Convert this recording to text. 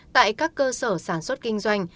tại các cơ sở sản xuất kinh doanh